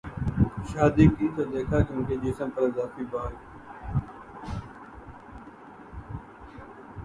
شادی کی تو دیکھا کہ ان کے جسم پراضافی بال